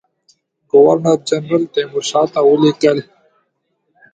ګورنر جنرال تیمورشاه ته ولیکل.